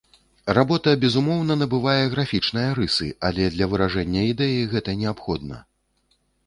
Работа, безумоўна, набывае графічныя рысы, але для выражэння ідэі гэта неабходна.